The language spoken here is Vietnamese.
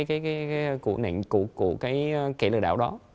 cái kẻ lừa đảo đó